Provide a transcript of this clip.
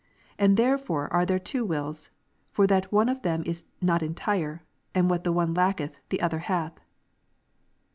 And therefore are there two wills, for that one of them is not entire : and what the one lacketh, the other hath.